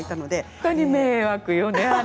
本当に迷惑よね、あれ。